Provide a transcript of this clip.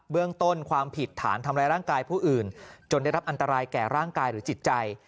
เรื่องต้นความผิดฐานทำร้ายร่างกายผู้อื่นจนได้รับอันตรายแก่ร่างกายหรือจิตใจ